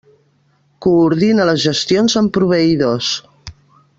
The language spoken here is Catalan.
Coordina les gestions amb proveïdors.